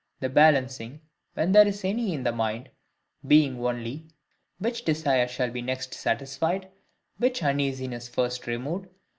The balancing, when there is any in the mind, being only, which desire shall be next satisfied, which uneasiness first removed.